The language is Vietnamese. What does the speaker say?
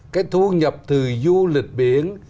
cái thu nhập từ du lịch biển